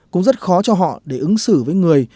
cũng rất khó cho họ để ứng xử với người